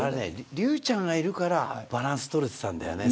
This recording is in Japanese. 竜ちゃんがいるからバランス取れていたんだよね